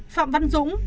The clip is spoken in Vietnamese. phạm văn dũng